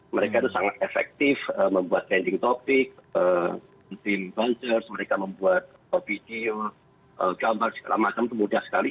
mereka itu sangat efektif membuat trending topic team banser mereka membuat video gambar segala macam itu mudah sekali